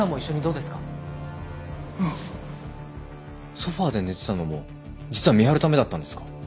ソファで寝てたのも実は見張るためだったんですか？